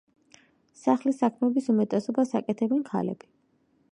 სახლის საქმეების უმეტესობას აკეთებენ ქალები.